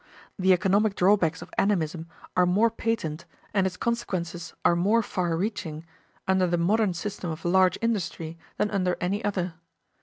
The economic drawbacks of animism are more patent and its consequences are more far reaching under the modern system of large industry than under any other.